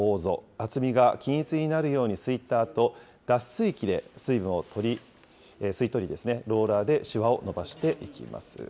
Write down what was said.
厚みが均一になるようにすいたあと、脱水機で水分を吸い取り、ローラーでしわを延ばしていきます。